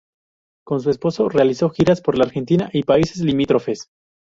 Con su esposo realizó giras por la Argentina y países limítrofes.